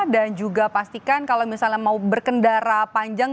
dan juga pastikan kalau misalnya mau berkendara panjang